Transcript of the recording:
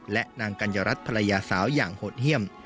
และนางกัญญารัฐภรรยาสาวอย่างโหดเยี่ยม